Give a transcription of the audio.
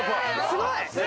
すごい！